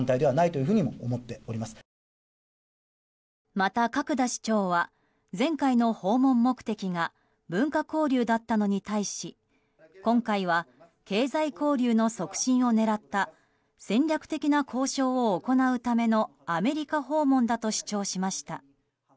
また、角田市長は前回の訪問目的が文化交流だったのに対し今回は経済交流の促進を狙った戦略的な交渉を行うためのアメリカ訪問だと主張しました。